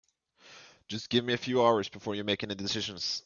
Just give me a few hours before you make any decisions.